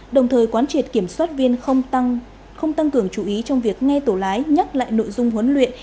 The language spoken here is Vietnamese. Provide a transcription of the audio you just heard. đồng thời quán triệt kiểm soát viên không tăng cường chú ý trong việc nghe tổ lái nhắc lại nội dung huấn luyện